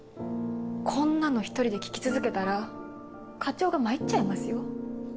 こんなの１人で聞き続けたら課長が参っちゃいますよ。